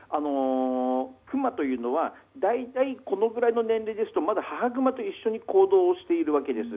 クマというのは大体このぐらいの年齢ですとまだは母グマと一緒に行動しているわけです。